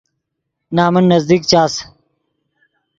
نمن نزدیک چاس